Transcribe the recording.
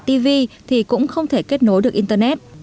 tv thì cũng không thể kết nối được internet